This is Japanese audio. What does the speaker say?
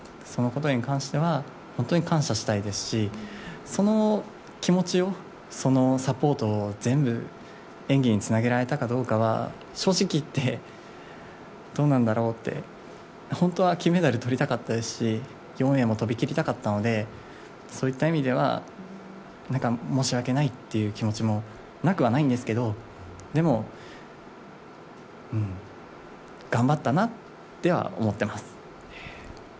そのことに関しては本当に感謝したいですしその気持ちをサポートを全部、演技につなげられたかどうかは正直言って、どうなんだろうって、本当は金メダル取りたかったですし４Ａも跳びきりたかったので、そういう意味では申し訳ないっていう気持ちはなくはないんですけどでも、頑張ったなっては思ってます。